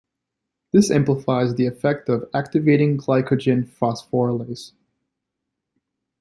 This amplifies the effect of activating glycogen phosphorylase.